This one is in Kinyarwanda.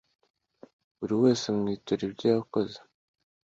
buri wese amwitura ibyo yakoze